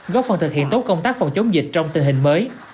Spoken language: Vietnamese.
góp phần thực hiện tốt công tác phòng chống dịch trong tình hình mới